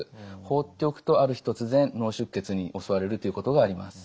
放っておくとある日突然脳出血に襲われるということがあります。